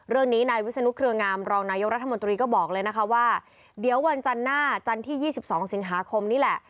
เรื่องนี้นายวิศนุเครืองามรองนายกรัฐมนตรีก็บอกเลยนะคะว่าเดี๋ยววันจันทร์หน้าจันทร์ที่๒๒สิงหาคมนี่แหละ